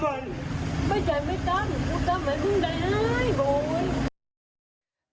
ตามอัลฟ่าอยู่กิฟต์